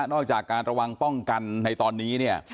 จากการระวังป้องกันในตอนนี้เนี่ย